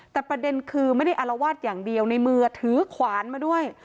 แต่ประเด็นคือไม่ได้อารวาสอย่างเดียวในมือถือขวานมาด้วย